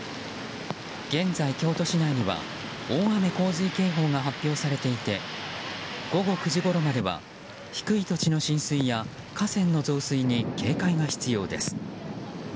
現在、京都市内には大雨洪水警報が発表されていて午後９時ごろまでは低い土地の浸水や河川の増水に警戒が必要です。